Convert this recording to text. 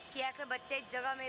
kinh tế ấn độ đang đi lên